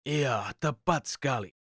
iya tepat sekali